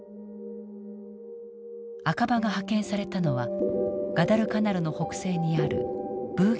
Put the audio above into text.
赤羽が派遣されたのはガダルカナルの北西にあるブーゲンビル島。